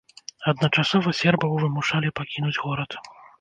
Адначасова сербаў вымушалі пакінуць горад.